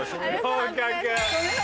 合格。